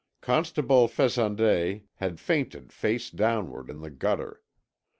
Constable Fesandet had fainted face downwards in the gutter.